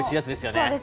そうですね。